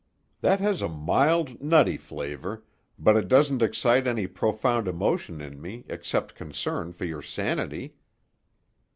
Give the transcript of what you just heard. "That has a mild nutty flavor; but it doesn't excite any profound emotion in me except concern for your sanity."